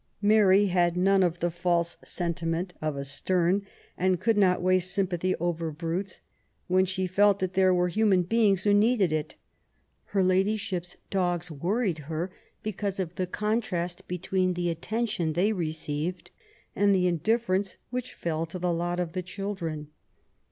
€0 MABY W0LL8T0NECBAFT GODWIN. Mary had none of the false sentiment of a Sterne^ and could not waste sympathy over brutes^ when she felt that there were haman beings who needed it. Her ladyship's dogs worried her because of the contrast between the attention they received and the indiffer ence which fell to the lot of the children.